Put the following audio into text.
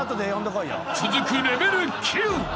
［続くレベル９］